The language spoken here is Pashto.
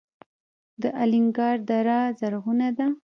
د الینګار دره زرغونه ده